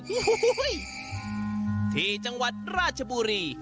ฮู่ฮู่ฮุที่จังหวัดราชบุรี